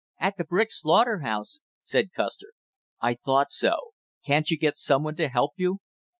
"At the brick slaughter house," said Custer. "I thought so; can't you get some one to help you?"